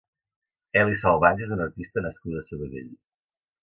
Eli Salvans és una artista nascuda a Sabadell.